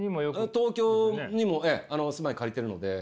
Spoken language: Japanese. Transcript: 東京にも住まい借りてるので。